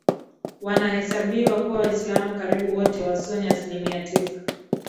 wanahesabiwa kuwa Waislamu karibu wote Wasuni asilimia tisa